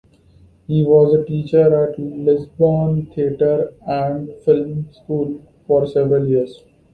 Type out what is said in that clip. He was a teacher at the Lisbon Theatre and Film School for several years.